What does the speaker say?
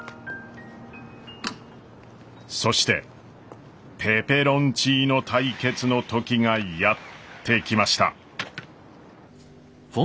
そしてペペロンチーノ対決の時がやって来ました。